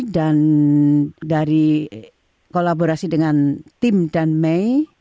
dan dari kolaborasi dengan tim dan may